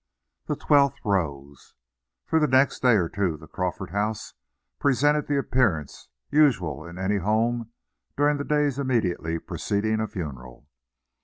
THE TWELFTH ROSE For the next day or two the Crawford house presented the appearance usual in any home during the days immediately preceding a funeral.